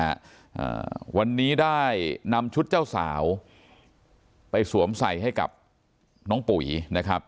อ่าวันนี้ได้นำชุดเจ้าสาวไปสวมใส่ให้กับน้องปุ๋ยนะครับ